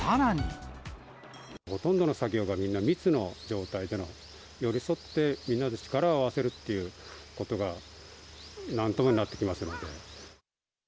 ほとんどの作業がみんな密の状態での、寄り添ってみんなで力を合わせるっていうことがなってきますので。